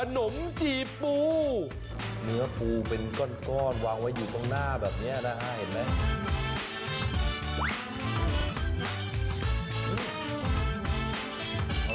นมจีปูเนื้อปูเป็นก้อนวางไว้อยู่ข้างหน้าแบบนี้นะฮะเห็นไหม